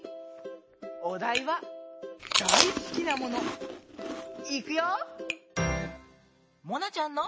おだいは「だいすきなもの」。いくよ！もなちゃんの。